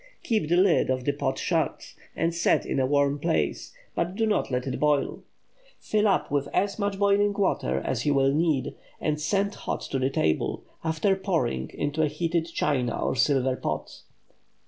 Keep the lid of the pot shut, and set in a warm place, but do not let it boil. Fill up with as much boiling water as you will need, and send hot to the table, after pouring into a heated china or silver pot.